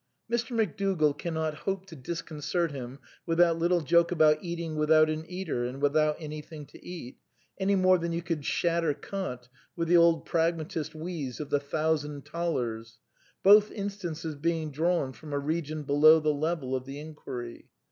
Mr. McDougall cannot hope to disconcert him with that little joke about eating without an eater and without any , thing to eat, any more than you could shatter Kant with the old pragmatist wheeze of the thousand thalers; both instances being drawn from a region below the level of the enquiry.